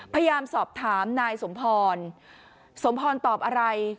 พยายามสอบถามนายสมพรสมพรตอบอะไร